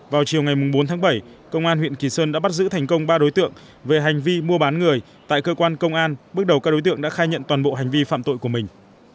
vào chiều ngày bốn tháng bảy công an huyện kỳ sơn đã bắt giữ thành công ba đối tượng về hành vi mua bán người tại cơ quan công an bước đầu các đối tượng đã khai nhận toàn bộ hành vi phạm tội của mình